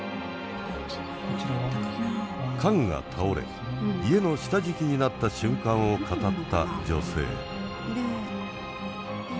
家具が倒れ家の下敷きになった瞬間を語った女性。